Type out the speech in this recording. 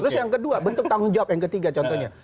terus yang kedua bentuk tanggung jawab yang ketiga contohnya